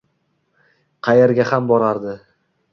Qayerga ham borardi?